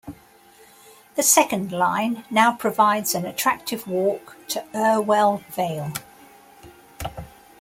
The second line now provides an attractive walk to Irwell Vale.